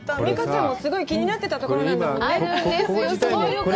美佳ちゃんもすごい気になってたところだもんね。